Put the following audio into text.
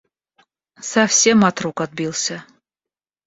Совсем от рук отбился.